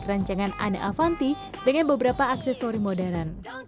rencangan anne avanti dengan beberapa aksesori modern